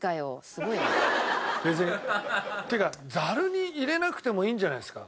別にっていうかザルに入れなくてもいいんじゃないですか？